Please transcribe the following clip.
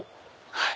はい。